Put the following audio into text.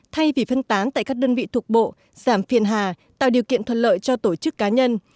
thay vì phân tán tại các đơn vị thuộc bộ giảm phiền hà tạo điều kiện thuận lợi cho tổ chức cá nhân